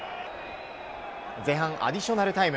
前半アディショナルタイム。